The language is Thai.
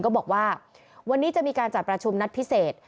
ก็บอกว่าวันนี้จะมีการจัดประชุมนัดพิเศษ